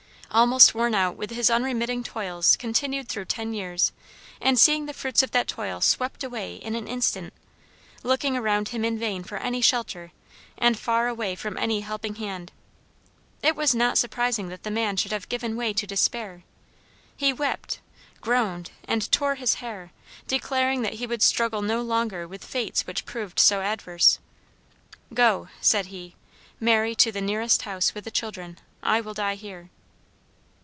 Almost worn out with his unremitting toils continued through ten years, and seeing the fruits of that toil swept away in an instant, looking around him in vain for any shelter, and far away from any helping hand, it was not surprising that the man should have given way to despair. He wept, groaned, and tore his hair, declaring that he would struggle no longer with fates which proved so adverse. "Go," said he, "Mary, to the nearest house with the children. I will die here."